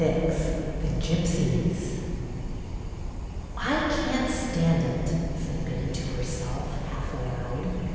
XXVI THE GYPSIES I CAN'T stand it!" said Betty to herself, half aloud.